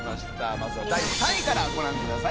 まずは第３位からご覧ください